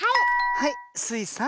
はいスイさん。